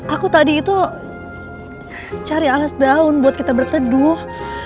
aku tadi itu cari alas daun buat kita berteduh